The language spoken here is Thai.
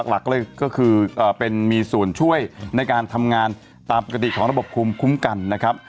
หลักเลยก็คือเป็นมีส่วนช่วยในการทำงานตามปกติของระบบภูมิคุ้มกันนะครับ